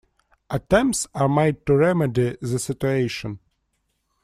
Attempts are made to remedy the situation.